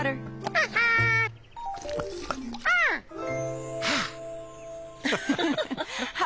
ハハハハ！